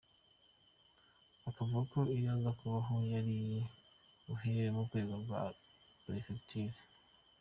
Akavuga ko iyo iza kubaho yaribuhere ku rwego rwa Prefegitura.